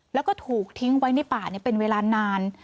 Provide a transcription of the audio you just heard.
แล้วก็ถูกทิ้งไว้ในป่าเป็นเวลานาน